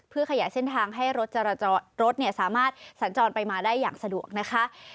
เพื่อขยายเส้นทางให้รถสามารถสัญจรไปมาได้อย่างสะดวกนะคะ